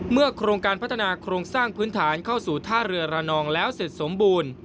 โครงการพัฒนาโครงสร้างพื้นฐานเข้าสู่ท่าเรือระนองแล้วเสร็จสมบูรณ์